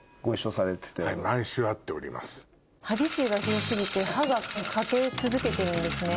歯ぎしりがひど過ぎて歯が欠け続けてるんですね。